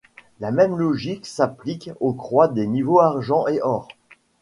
La même logique s’applique aux croix des niveaux argent et or.